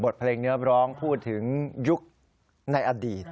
เพลงเนื้อร้องพูดถึงยุคในอดีต